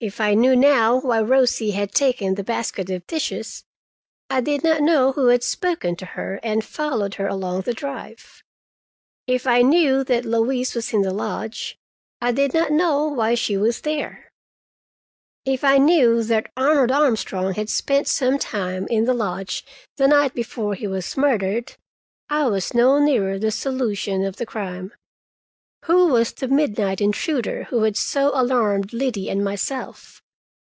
If I knew now why Rosie had taken the basket of dishes, I did not know who had spoken to her and followed her along the drive. If I knew that Louise was in the lodge, I did not know why she was there. If I knew that Arnold Armstrong had spent some time in the lodge the night before he was murdered, I was no nearer the solution of the crime. Who was the midnight intruder who had so alarmed Liddy and myself?